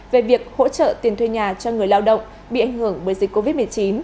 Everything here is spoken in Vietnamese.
hai nghìn hai mươi hai về việc hỗ trợ tiền thuê nhà cho người lao động bị ảnh hưởng bởi dịch covid một mươi chín